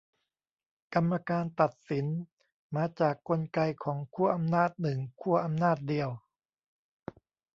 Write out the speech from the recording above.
กรรมการตัดสิน มาจากกลไกของขั้วอำนาจหนึ่งขั้วอำนาจเดียว